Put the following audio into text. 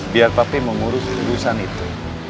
biar pp mengurus urusan itu